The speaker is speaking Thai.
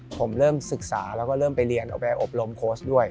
ผมเริ่มศึกษาแล้วก็เริ่มไปเรียนออกไปอบรมโค้ชด้วย